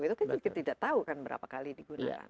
itu kan kita tidak tahu kan berapa kali digunakan